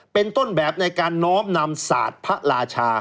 เป็นต้นแบบในการน้อมนำศาสตร์พระราชา